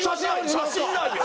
写真ないよ！